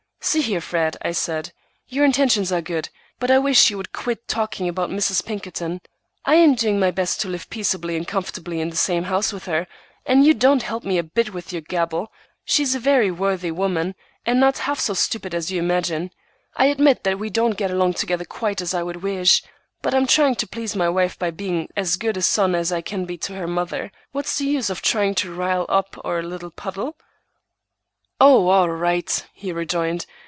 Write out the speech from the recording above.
"See here, Fred," I said, "your intentions are good, but I wish you would quit talking about Mrs. Pinkerton. I am doing my best to live peaceably and comfortably in the same house with her, and you don't help me a bit with your gabble. She is a very worthy woman, and not half so stupid as you imagine. I admit that we don't get along together quite as I could wish, but I'm trying to please my wife by being as good a son as I can be to her mother. What's the use of trying to rile up our little puddle?" "Oh, all right!" he rejoined.